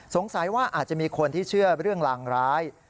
สงสัยว่าอาจจะมีคนที่เชื่อเรื่องลางร้าย